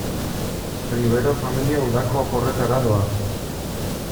Rivero familia udako oporretara doa.